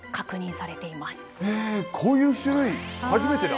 こういう種類初めてだ！